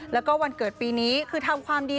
แล้วก็วันเกิดปีนี้คือทำความดี